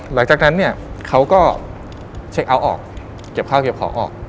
หลังจากนั้นเนี่ยเขาก็เช็คเอาท์ออกเก็บข้าวเก็บของออก